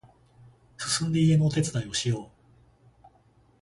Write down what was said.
すすんで家のお手伝いをしよう